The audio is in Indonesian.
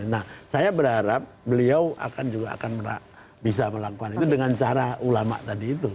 nah saya berharap beliau juga akan bisa melakukan itu dengan cara ulama tadi itu